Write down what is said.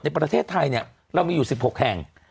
ในประเทศไทยเนี่ยเรามีอยู่๑๖แห่ง